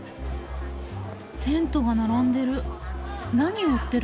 テントが並んでる。